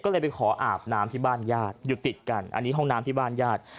ก็เลยไปขออาบน้ำที่บ้านญาติอยู่ติดกันอันนี้ห้องน้ำที่บ้านญาติ